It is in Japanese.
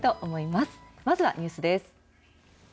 まずはニュースです。